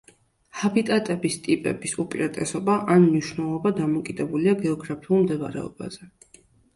ჰაბიტატების ტიპების უპირატესობა ან მნიშვნელობა დამოკიდებულია გეოგრაფიულ მდებარეობაზე.